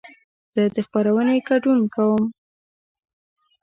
زه د خپرونې ګډون کوم.